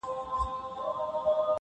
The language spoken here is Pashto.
• په شب پرستو بد لګېږم ځکه..